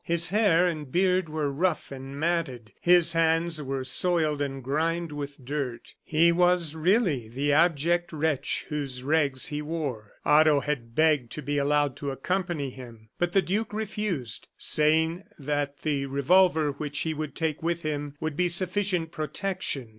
His hair and beard were rough and matted; his hands were soiled and grimed with dirt; he was really the abject wretch whose rags he wore. Otto had begged to be allowed to accompany him; but the duke refused, saying that the revolver which he would take with him would be sufficient protection.